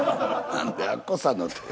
何でアッコさんの手形。